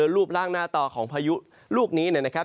ลูบล่างหน้าต่อของภัยูลูกนี้เนี่ยนะครับ